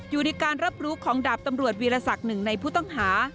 อยู่ในการรับรู้ของดาบตำรวจวีรศักดิ์หนึ่งในผู้ต้องหา